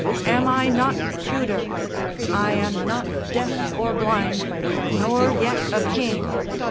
Am I not Tudor? I am not deaf or blind; nor yet a king!